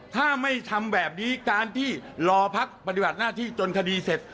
ถ้าไม่ทำแบบนี้การที่รอพักปฏิบัติหน้าที่จนคดีเสร็จ